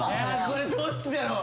これどっちだろ？